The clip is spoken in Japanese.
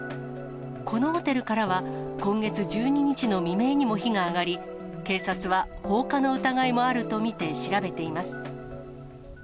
このホテルからは、今月１２日の未明にも火が上がり、警察は放火の疑いもあると見て、調べています。